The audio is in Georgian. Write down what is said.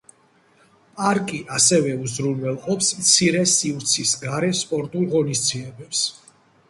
პარკი, ასევე, უზრუნველყოფს მცირე სივრცის გარე სპორტულ ღონისძიებებს.